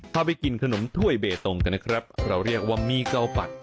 พาไปกินขนมถ้วยเบตงกันนะครับเราเรียกว่ามีเกาฝัด